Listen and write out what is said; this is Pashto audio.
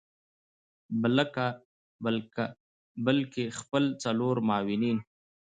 بلکه خپل څلور معاونین